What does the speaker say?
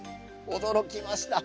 驚きました。